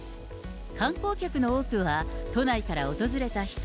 観光客の多くは、都内から訪れた人。